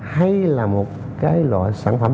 hay là một cái loại sản phẩm